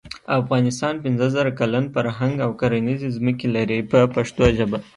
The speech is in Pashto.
افغانستان پنځه زره کلن فرهنګ او کرنیزې ځمکې لري په پښتو ژبه.